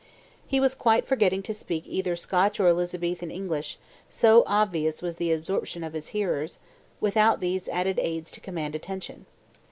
He was quite forgetting to speak either Scotch or Elizabethan English, so obvious was the absorption of his hearers, without these added aids to command attention.